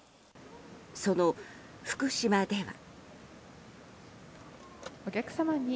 その福島では。